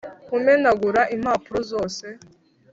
kumenagura impapuro zose